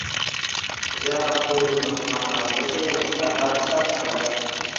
Ziyorat turizmi xizmatlari bo‘yicha yangi standart ishlab chiqildi